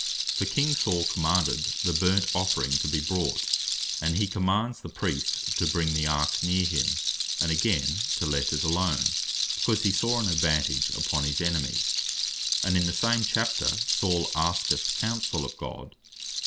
For King Saul (1 Sam. 13. 9.) commanded the burnt offering to be brought, and (1 Sam. 14. 18.) he commands the Priest to bring the Ark neer him; and (ver. 19.) again to let it alone, because he saw an advantage upon his enemies. And in the same chapter Saul asketh counsell of God.